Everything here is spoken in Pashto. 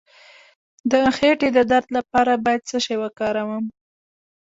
د خیټې د درد لپاره باید څه شی وکاروم؟